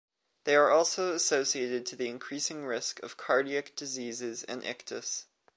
They are also associated to the increasing risk of cardiac diseases and ictus.